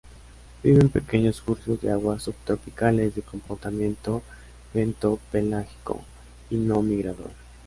Viven en pequeños cursos de agua subtropicales, de comportamiento bentopelágico y no migrador.